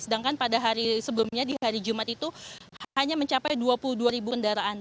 sedangkan pada hari sebelumnya di hari jumat itu hanya mencapai dua puluh dua ribu kendaraan